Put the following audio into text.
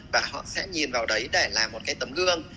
và họ sẽ nhìn vào đấy để làm một cái tấm gương